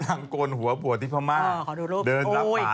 อากอนหัวบัวดีภาหมา